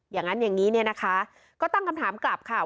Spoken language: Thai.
อย่างนั้นอย่างนี้เนี่ยนะคะก็ตั้งคำถามกลับค่ะ